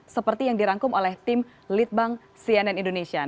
seperti yang dirangkum oleh tim litbang cnn indonesia